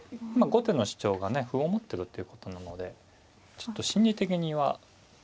まあ後手の主張がね歩を持ってるっていうことなのでちょっと心理的には。